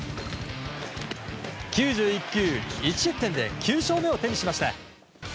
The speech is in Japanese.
９１球１失点で９勝目を手にしました。